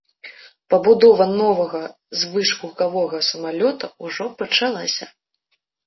Пабудова новага звышгукавога самалёта ўжо пачалася.